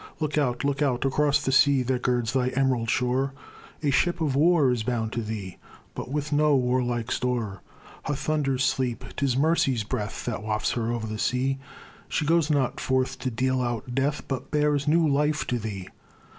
Look out! look out! across the sea That girds thy em'rald shore, A ship of war is bound to thee, But with no war like store. Her thunders sleep; 'tis mercy's breath That wafts her o'er the sea; She goes not forth to deal out death, But bears new life to thee.